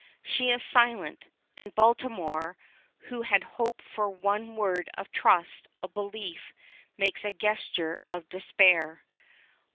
She is silent, and Baltimore, who had hoped for one word of trust, of belief, makes a gesture of despair.